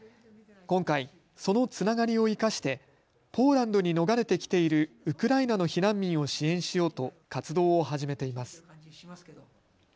今回、そのつながりを生かしてポーランドに逃れてきているウクライナの避難民を支援しようと活動を始めています。